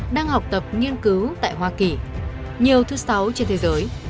đang học tập nghiên cứu tại hoa kỳ nhiều thứ sáu trên thế giới